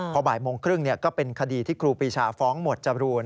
พอบ่ายโมงครึ่งก็เป็นคดีที่ครูปีชาฟ้องหมวดจรูน